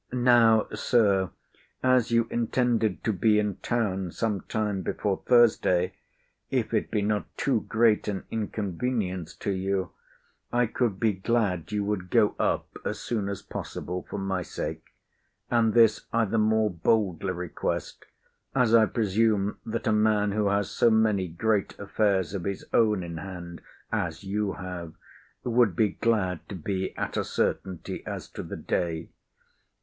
Now, Sir, as you intended to be in town some time before Thursday, if it be not too great an inconvenience to you, I could be glad you would go up as soon as possible, for my sake: and this I the more boldly request, as I presume that a man who has so many great affairs of his own in hand as you have, would be glad to be at a certainty as to the day.